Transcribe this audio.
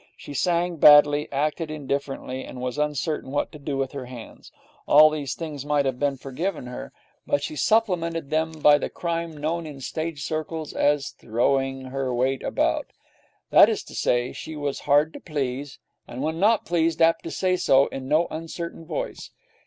She sang badly, acted indifferently, and was uncertain what to do with her hands. All these things might have been forgiven her, but she supplemented them by the crime known in stage circles as 'throwing her weight about'. That is to say, she was hard to please, and, when not pleased, apt to say so in no uncertain voice.